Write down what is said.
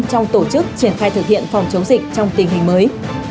trong tổ chức triển khai thực hiện phòng chống dịch trong tình hình mới